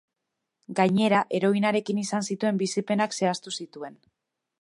Gainera, heroinarekin izan zituen bizipenak zehaztu zituen.